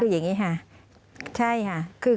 อย่างนี้ค่ะใช่ค่ะ